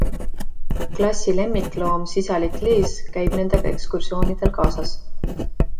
Klassi lemmikloom sisalik Liz käib nendega ekskursioonidel kaasas.